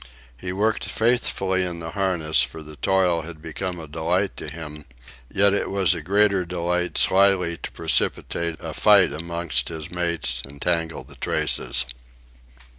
He worked faithfully in the harness, for the toil had become a delight to him; yet it was a greater delight slyly to precipitate a fight amongst his mates and tangle the traces.